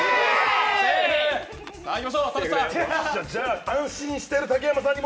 じゃあ、安心してる竹山さんに。